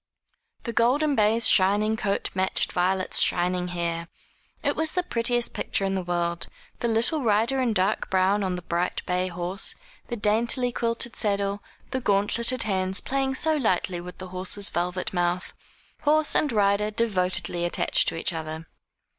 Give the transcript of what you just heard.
The golden bay's shining coat matched Violet's shining hair. It was the prettiest picture in the world, the little rider in dark brown on the bright bay horse, the daintily quilted saddle, the gauntleted hands playing so lightly with the horse's velvet mouth horse and rider devotedly attached to each other.